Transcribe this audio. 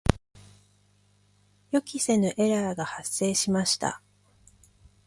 予期せぬエラーが発生しました。